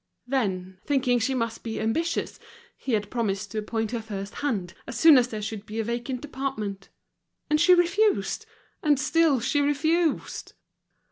Then, thinking she must be ambitious, he had promised to appoint her first hand, as soon as there should be a vacant department. And she refused, and still she refused!